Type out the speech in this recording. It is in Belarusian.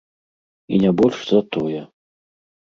І не больш за тое.